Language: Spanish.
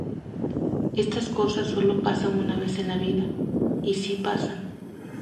Estas cosas sólo pasan una vez en la vida, y si pasan.